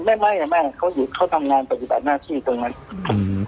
ไม่เขาทำงานปฏิบัติหน้าที่ตรงนั้น